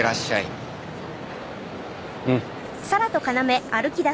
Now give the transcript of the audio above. うん。